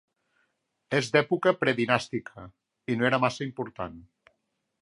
És d'època predinàstica, i no era massa important.